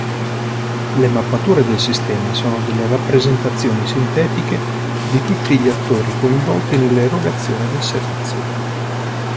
Le mappature del sistema sono delle rappresentazioni sintetiche di tutti gli attori coinvolti nell'erogazione del servizio.